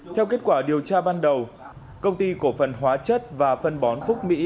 theo kết quả điều tra ban đầu công ty cổ phần hóa chất và phân bón phúc mỹ